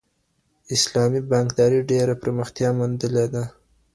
اسلامي بانکداري ډېره پراختیا موندلې ده.